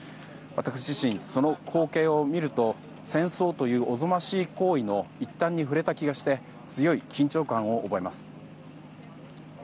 私自身、その光景を見ると戦争というおぞましい行為の一端に触れた気がして強い緊張感を覚えます。